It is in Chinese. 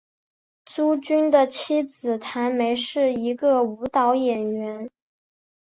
朱军的妻子谭梅是一个舞蹈演员。